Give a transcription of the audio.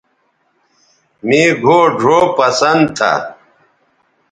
مے گھؤ ڙھؤ پسند تھا